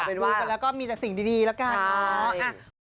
ดูกันแล้วก็มีแต่สิ่งดีละกัน